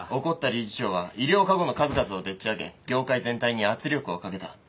怒った理事長は医療過誤の数々をでっち上げ業界全体に圧力をかけた。